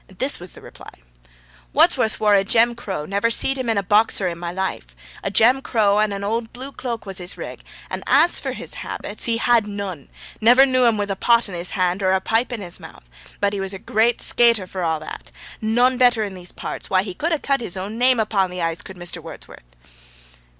This was the reply: 'Wudsworth wore a Jem Crow, never seed him in a boxer in my life, a Jem Crow and an old blue cloak was his rig, and as for his habits, he had noan; niver knew him with a pot i' his hand, or a pipe i' his mouth. But he was a great skater, for a' that noan better in these parts why, he could cut his own naame upo' the ice, could Mr. Wudsworth.'